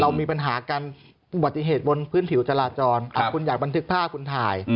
เรามีปัญหากันอุบัติเหตุบนพื้นผิวจราจรคุณอยากบันทึกภาพคุณถ่าย